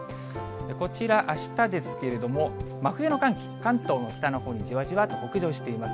こちら、あしたですけれども、真冬の寒気、関東の北のほうにじわじわと北上しています。